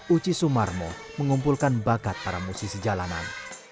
uci sumarmo mengumpulkan bakat para musisi jalanan